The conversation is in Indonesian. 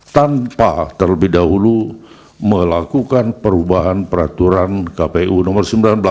tanpa terlebih dahulu melakukan perubahan peraturan kpu nomor sembilan belas